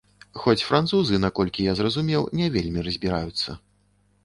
Хоць французы, наколькі я зразумеў, не вельмі разбіраюцца.